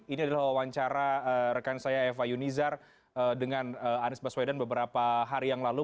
ini adalah wawancara rekan saya eva yunizar dengan anies baswedan beberapa hari yang lalu